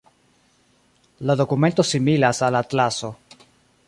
La dokumento similas al atlaso.